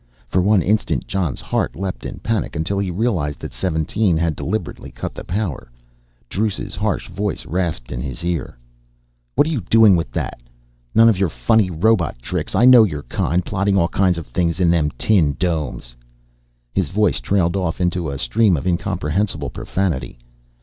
For one instant Jon's heart leaped in panic, until he realized that 17 had deliberately cut the power. Druce's harsh voice rasped in his ear. "What you doing with that? None of your funny robot tricks. I know your kind, plotting all kinds of things in them tin domes." His voice trailed off into a stream of incomprehensible profanity.